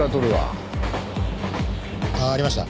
ああありました。